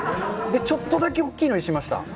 ちょっとだけ大きいのにしました。